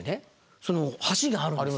その橋があるんです。